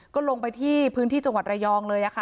ก็ลงไปที่พื้นที่จังหวัดระยองเลยค่ะ